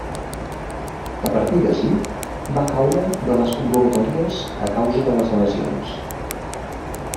A partir d'ací, va caure de les convocatòries a causa de les lesions.